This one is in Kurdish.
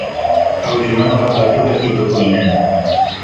Ew ji min re pirtûkekê dixwînin.